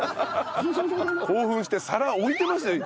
興奮して皿置いてましたよ。